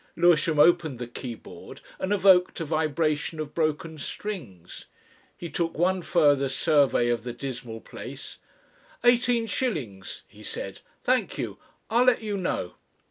Lewisham opened the keyboard and evoked a vibration of broken strings. He took one further survey of the dismal place, "Eighteen shillings," he said. "Thank you ... I'll let you know."